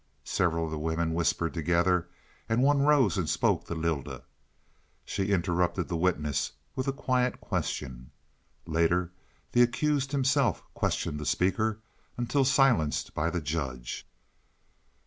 Several of the women whispered together, and one rose and spoke to Lylda. She interrupted the witness with a quiet question. Later the accused himself questioned the speaker until silenced by the judge.